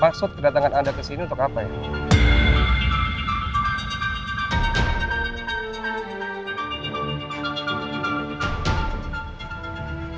maksud kedatangan anda kesini untuk apa ini